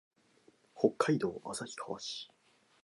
北海道旭川市